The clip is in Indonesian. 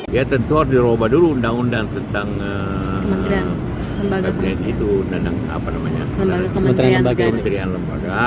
ya tentu harus dirubah dulu undang undang tentang kementerian lembaga kabinet itu